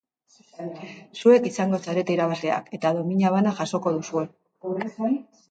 Zuek izango zarete irabazleak eta domina bana jasoko duzue.